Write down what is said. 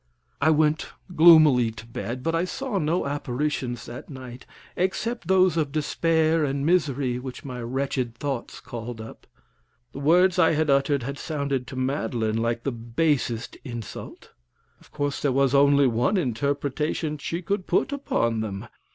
I went gloomily to bed, but I saw no apparitions that night except those of despair and misery which my wretched thoughts called up. The words I had uttered had sounded to Madeline like the basest insult. Of course, there was only one interpretation she could put upon them.